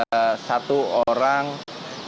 dan di sini juga ada dua orang penjaga